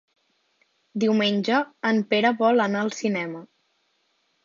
Diumenge en Pere vol anar al cinema.